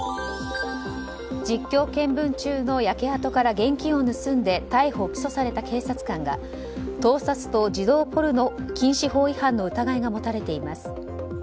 実況見分中の焼け跡から現金を盗んで逮捕・起訴された警察官が盗撮と児童ポルノ禁止法違反の疑いが持たれています。